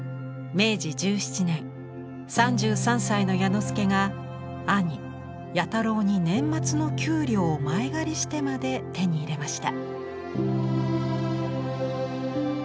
明治１７年３３歳の彌之助が兄彌太郎に年末の給料を前借りしてまで手に入れました。